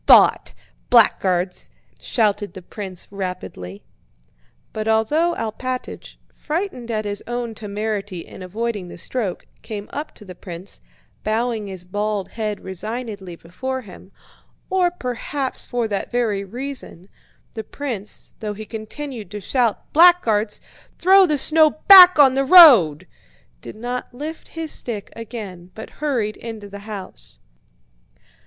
"Thought... Blackguards..." shouted the prince rapidly. But although Alpátych, frightened at his own temerity in avoiding the stroke, came up to the prince, bowing his bald head resignedly before him, or perhaps for that very reason, the prince, though he continued to shout: "Blackguards!... Throw the snow back on the road!" did not lift his stick again but hurried into the house.